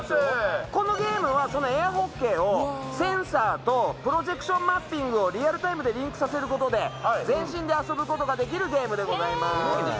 このゲームはそのエアホッケーをセンサーとプロジェクションマッピングをリアルタイムでリンクさせる事で全身で遊ぶ事ができるゲームでございます。